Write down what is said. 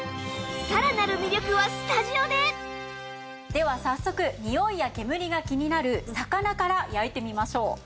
では早速においや煙が気になる魚から焼いてみましょう。